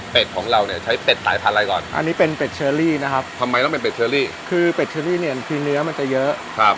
เป็นของเราเนี่ยใช้เป็ดสายพันธุ์อะไรก่อนอันนี้เป็นเป็ดเชอรี่นะครับทำไมต้องเป็นเป็ดเชอรี่คือเป็ดเชอรี่เนี่ยคือเนื้อมันจะเยอะครับ